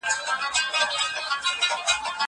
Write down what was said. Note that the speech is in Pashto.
زه زده کړه کړي دي!